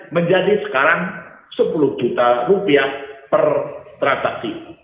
menjadi sekarang rp sepuluh juta per transaksi